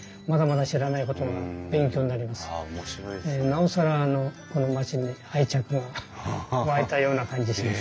なおさらこの町に愛着が湧いたような感じします。